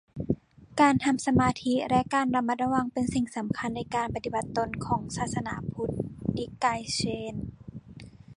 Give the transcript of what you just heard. การทำสมาธิและการระมัดระวังเป็นสิ่งสำคัญในการปฏิบัติตนของศาสนาพุทธนิกายเซน